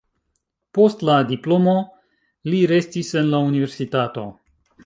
Post la diplomo li restis en la universitato.